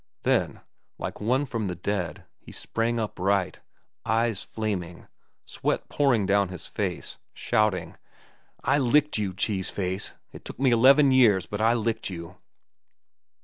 Then, like one from the dead, he sprang upright, eyes flaming, sweat pouring down his face, shouting: "I licked you, Cheese Face! It took me eleven years, but I licked you!"